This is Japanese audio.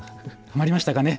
はまりましたかね？